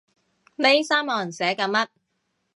呢三行寫緊乜？